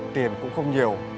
tiền cũng không nhiều